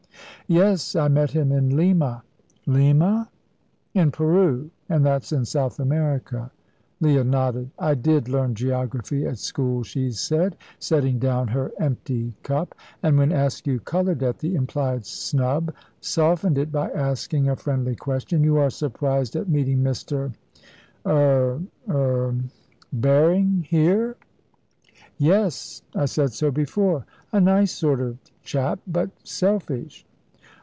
"Yes; I met him in Lima." "Lima?" "In Peru, and that's in South America." Leah nodded. "I did learn geography at school," she said, setting down her empty cup; and when Askew coloured at the implied snub, softened it by asking a friendly question: "You are surprised at meeting Mr. er er Berring, here?" "Yes; I said so before. A nice sort of chap, but selfish."